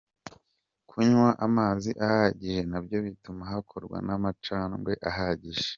Kunywa amazi ahagije nabyo bituma hakorwa n’amacandwe ahagije.